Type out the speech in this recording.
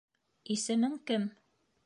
Исемең кем?